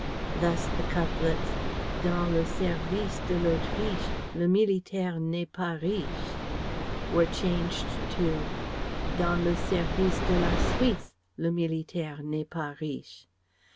Thus the couplets "Dans le service de l'Autriche Le militaire n'est pas riche" were changed to "Dans le service de la Suisse Le militaire n'est pas riche."